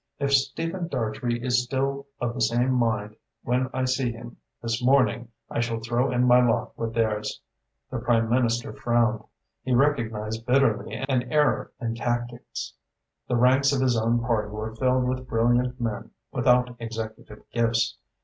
If Stephen Dartrey is still of the same mind when I see him this morning, I shall throw in my lot with theirs." The Prime Minister frowned. He recognised bitterly an error in tactics. The ranks of his own party were filled with brilliant men without executive gifts.